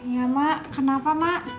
ya mak kenapa mak